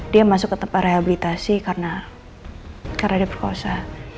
dia masuk ke tempat rehabilitasi karena dia perkosa